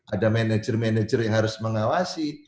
ada manajer manajer yang harus mengawasi